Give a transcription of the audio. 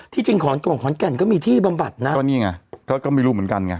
ที่จริงของของของกันก็มีที่บำบัดน่ะก็นี่ไงเขาก็ไม่รู้เหมือนกันไง